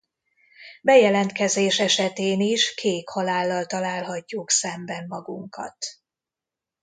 Bejelentkezés esetén is kék halállal találhatjuk szemben magunkat.